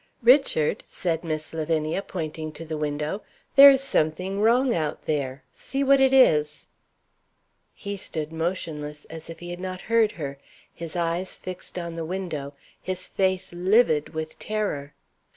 "Richard," said Miss Lavinia, pointing to the window, "there is something wrong out there. See what it is." He stood motionless, as if he had not heard her, his eyes fixed on the window, his face livid with terror.